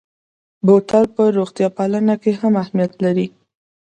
بوتل په روغتیا پالنه کې هم اهمیت لري.